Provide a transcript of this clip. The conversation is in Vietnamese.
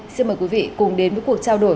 xin mời quý vị cùng đến với cuộc trao đổi